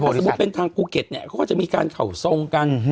สมมุติเป็นทางภูเก็ตเนี่ยเขาก็จะมีการเข่าทรงกัน